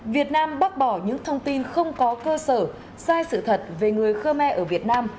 việt nam bác bỏ những thông tin không có cơ sở sai sự thật về người khơ me ở việt nam